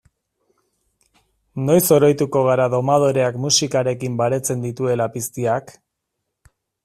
Noiz oroituko gara domadoreak musikarekin baretzen dituela piztiak?